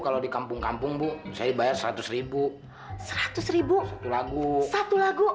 kalau di kampung kampung bu saya bayar seratus seratus lagu satu lagu